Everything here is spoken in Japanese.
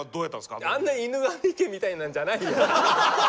あんな犬神家みたいなんじゃないよ！